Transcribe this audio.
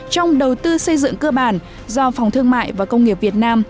trong đầu tư xây dựng cơ bản do phòng thương mại và công nghiệp việt nam